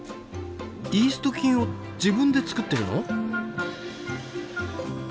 イースト菌を自分で作ってるの？